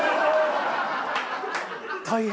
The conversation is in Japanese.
大変！